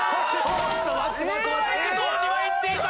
ストライクゾーンにはいっていたが。